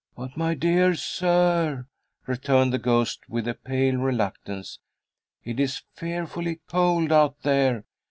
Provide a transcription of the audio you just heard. "But, my dear sir," returned the ghost, with a pale reluctance, "it is fearfully cold out there.